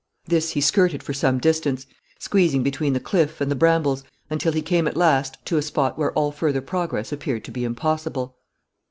This he skirted for some distance, squeezing between the cliff and the brambles until he came at last to a spot where all further progress appeared to be impossible.